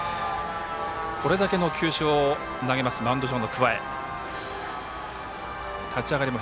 これだけの球種を投げますマウンド上の桑江。